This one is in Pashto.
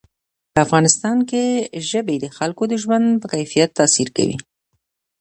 په افغانستان کې ژبې د خلکو د ژوند په کیفیت تاثیر کوي.